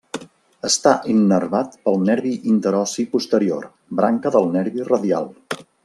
Està innervat pel nervi interossi posterior, branca del nervi radial.